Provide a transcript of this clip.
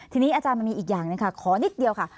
ทีนี้อาจารย์มันมีอีกอย่างหนึ่งค่ะขอนิดเดียวค่ะ